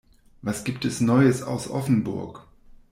Was gibt es neues aus Offenburg?